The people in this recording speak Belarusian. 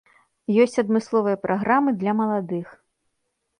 Ёсць адмысловыя праграмы для маладых.